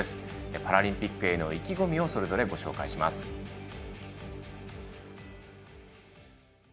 パラリンピックへの意気込みをそれぞれご紹介します。